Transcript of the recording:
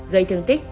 gây thương tích